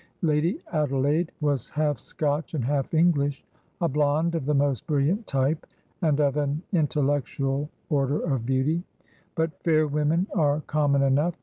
Lady Adelaide was half Scotch and half English, a blonde of the most brilliant type, and of an intellectual order of beauty. But fair women are common enough.